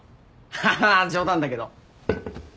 ハハッ冗談だけど。